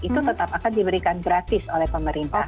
itu tetap akan diberikan gratis oleh pemerintah